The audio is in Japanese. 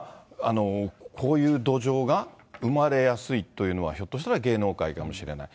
こういう土壌が生まれやすいというのは、ひょっとしたら芸能界かもしれない。